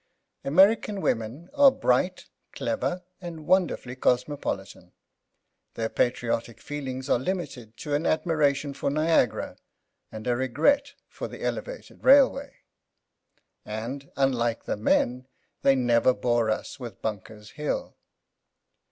American women are bright, clever, and wonderfully cosmopolitan. Their patriotic feelings are limited to an admiration for Niagara and a regret for the Elevated Railway; and, unlike the men, they never bore us with Bunkers Hill.